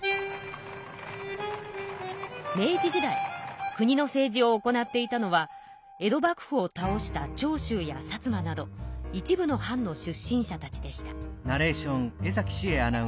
明治時代国の政治を行っていたのは江戸幕府をたおした長州や薩摩など一部の藩の出身者たちでした。